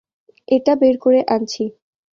এটা বের করে আনছি।